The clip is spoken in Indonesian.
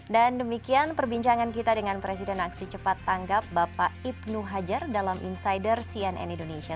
dan demikian perbincangan kita dengan presiden aksi cepat tanggap bapak ibnu hajar dalam insider cnn indonesia